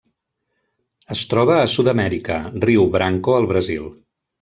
Es troba a Sud-amèrica: riu Branco al Brasil.